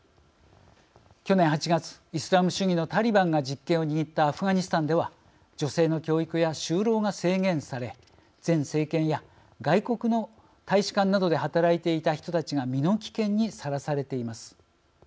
去年８月イスラム主義のタリバンが実権を握ったアフガニスタンでは女性の教育や就労が制限され前政権や外国の大使館などで働いていた人たちが身の危険にさらされています。